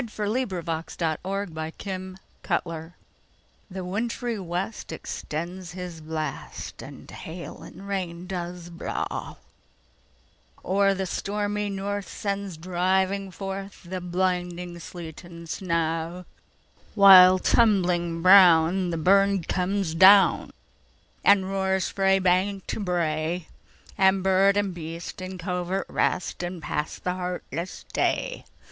1909–14. 1781 15 . Winter: A Dirge THE WINTRY west extends his blast, And hail and rain does blaw; Or the stormy north sends driving forthThe blinding sleet and snaw:While, tumbling brown, the burn comes down, And roars frae bank to brae; And bird and beast in covert rest, And pass the heartless day.